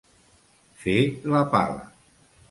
Fer la pala.